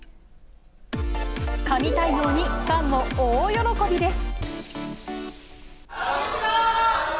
神対応にファンも大喜びです。